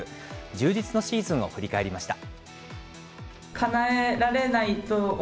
充実のシーズンを振り返りました。